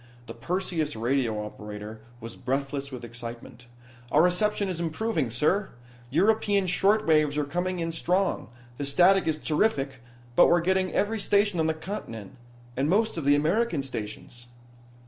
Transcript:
The Perseus radio operator was breathless with excitement. "Our reception is improving, sir. European short waves are coming in strong. The static is terrific, but we're getting every station on the continent, and most of the American stations."